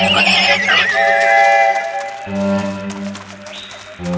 mereka juga diperonerang setelah mutlar